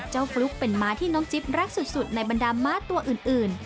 ฟลุ๊กเป็นม้าที่น้องจิ๊บรักสุดในบรรดาม้าตัวอื่น